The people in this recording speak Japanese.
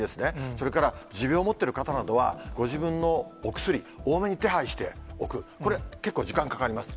それから持病を持ってる方などは、ご自分のお薬、多めに手配しておく、これ、結構、時間かかります。